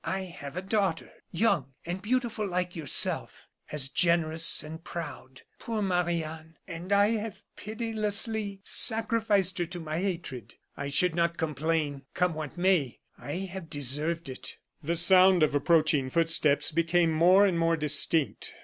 "I have a daughter, young and beautiful like yourself, as generous and proud. Poor Marie Anne! And I have pitilessly sacrificed her to my hatred! I should not complain; come what may, I have deserved it." The sound of approaching footsteps became more and more distinct.